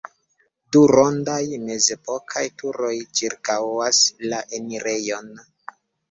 Du rondaj mezepokaj turoj ĉirkaŭas la enirejon.